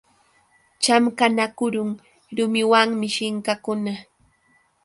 Chamqanakurun rumiwanmi shinkakuna.